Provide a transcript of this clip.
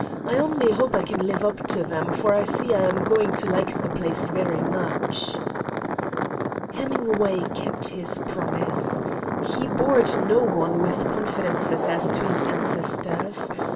I only hope I can live up to them, for I see I am going to like the place very much." Hemingway kept his promise. He bored no one with confidences as to his ancestors.